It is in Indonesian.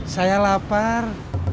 jangan dikasih pedas